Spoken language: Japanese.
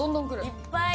いっぱい！